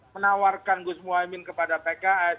menawarkan gus muhaymin kepada pks